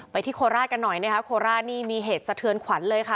ที่โคราชกันหน่อยนะคะโคราชนี่มีเหตุสะเทือนขวัญเลยค่ะ